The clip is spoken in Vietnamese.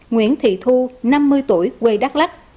nguyễn thị thu năm mươi tuổi quê đắk lắc